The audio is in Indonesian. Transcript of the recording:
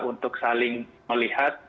untuk saling melihat